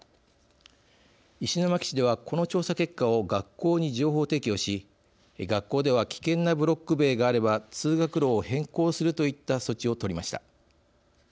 石巻市ではこの調査結果を学校に情報提供し学校では危険なブロック塀があれば通学路を変更するといった措置を取りました。